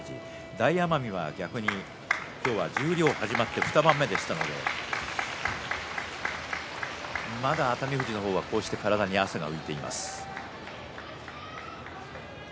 大奄美は逆に今日は十両始まって２番目でしたのでまだ熱海富士の方は、こうして体に汗が浮いています。